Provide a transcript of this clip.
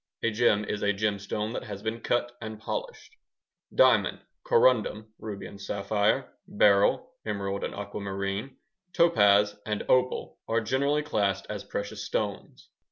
A gem is a gemstone that has been cut and polished. Diamond, corundum (ruby and sapphire), beryl (emerald and aquamarine), topaz, and opal are generally classed as precious stones.